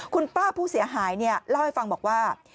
คุณป้าผู้เสียหายเล่าให้ฟังบอกว่า